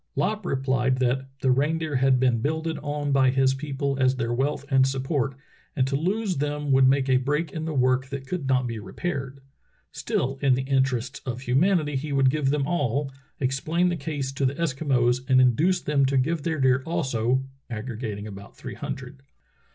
Lopp replied that "the reindeer had been builded on by his people as their wealth and sup port, and to lose them would make a break in the work that could not be repaired. Still, in the interests of humanity he would give them all, explain the case to ti^.e Eskimos, and induce them to give their deer also [aggregating about three hundred]."